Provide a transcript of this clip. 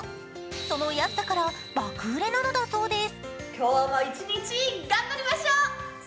その安さから、爆売れなのだそうです。